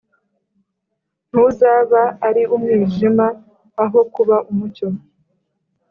ntuzaba ari umwijima aho kuba umucyo,